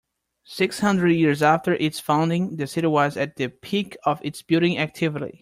Six hundred years after its founding, the city was at the peak of its building activity.